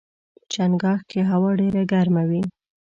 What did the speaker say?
چنګاښ کې هوا ډېره ګرمه وي.